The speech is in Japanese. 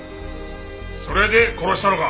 それで殺したのか！